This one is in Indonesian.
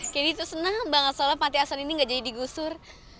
kandi tuh senang banget soalnya panti asuhan ini nggak jadi digusur